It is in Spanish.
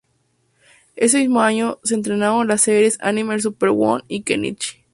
Ese mismo año, se estrenaron las series anime Super Once y Kenichi.